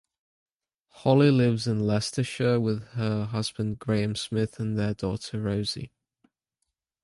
Holly lives in Leicestershire with her husband Graham Smith and their daughter Rosie.